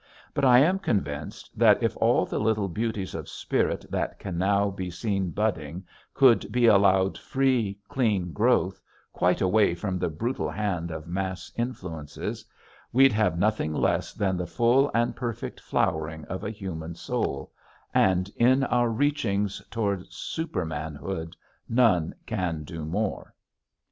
But I am convinced that if all the little beauties of spirit that can now be seen budding could be allowed free, clean growth, quite away from the brutal hand of mass influences, we'd have nothing less than the full and perfect flowering of a human soul; and in our reachings toward supermanhood none can do more.